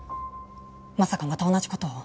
まさかまた同じ事を？